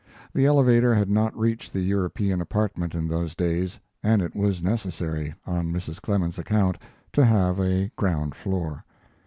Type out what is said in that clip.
The elevator had not reached the European apartment in those days, and it was necessary, on Mrs. Clemens's account, to have a ground floor.